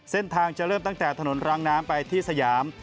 เส้นทางจะเริ่มตั้งแต่ถนนรางน้ำไปที่สยาม